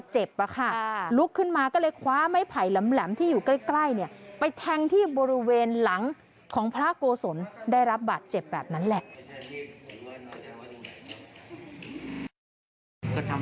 แหลมที่อยู่ใกล้เนี่ยไปแทงที่บริเวณหลังของพระโกศลได้รับบาดเจ็บแบบนั้นแหละ